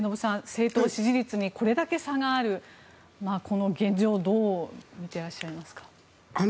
政党支持率にこれだけ差があるこの現状どう見ていらっしゃますか。